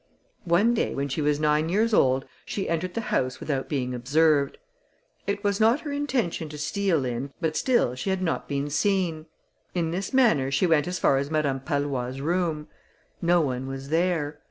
One day, when she was nine years old, she entered the house without being observed. It was not her intention to steal in, but still she had not been seen. In this manner she went as far as Madame Pallois's room. No one was there.